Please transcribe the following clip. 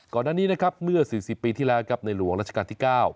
ก่อนนั้นนี้เมื่อ๔๐ปีที่แล้วในหลวงรัชกาลที่๙